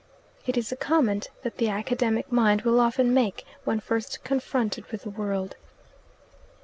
It is a comment that the academic mind will often make when first confronted with the world.